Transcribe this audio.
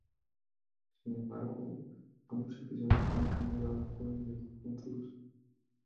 Sin embargo ambos episodios fueron cancelados por diversos motivos.